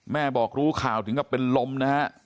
แม่บอกรู้ข่าวถึงเป็นลมนะฮะ